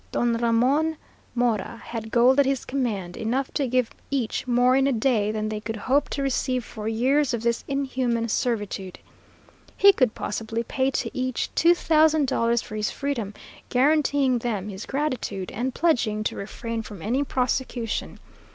Don Ramon Mora had gold at his command, enough to give each more in a day than they could hope to receive for years of this inhuman servitude. He could possibly pay to each two thousand dollars for his freedom, guaranteeing them his gratitude, and pledging to refrain from any prosecution.